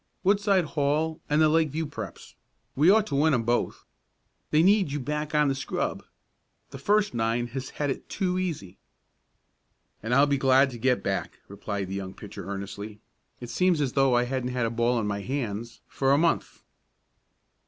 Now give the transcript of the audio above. "Woodside Hall and the Lakeview Preps. We ought to win 'em both. They need you back on the scrub. The first nine has had it too easy." "And I'll be glad to get back," replied the young pitcher earnestly. "It seems as if I hadn't had a ball in my hands for a month."